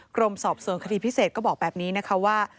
กรมสอบสวนคดีพิเศษก็บอกแบบนี้นะคะว่า